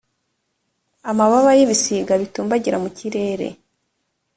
amababa y ibisiga bitumbagira mukirere